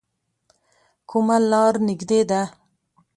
کومه لار نږدې ده؟